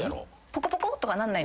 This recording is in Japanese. ポコポコ！とかなんない？